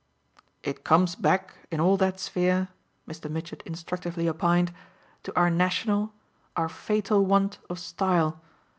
"It comes back, in all that sphere," Mr. Mitchett instructively opined, "to our national, our fatal want of style.